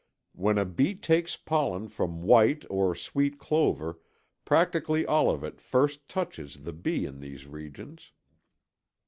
When a bee takes pollen from white or sweet clover practically all of it first touches the bee in these regions.